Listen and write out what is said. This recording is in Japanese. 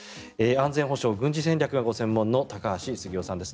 安全保障、軍事戦略がご専門の高橋杉雄さんです